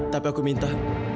tapi aku minta